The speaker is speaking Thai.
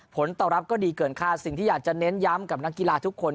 ผลตอบรับก็ดีเกินค่าสิ่งที่อยากจะเน้นย้ำกับนักกีฬาทุกคน